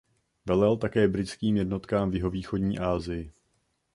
Velel také britským jednotkám v jihovýchodní Asii.